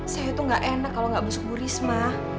saya tuh nggak enak kalau nggak bersukur risma